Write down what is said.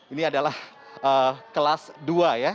ini adalah kelas dua ya